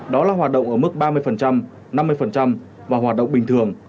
đó là hoạt động ở mức ba mươi năm mươi và hoạt động bình thường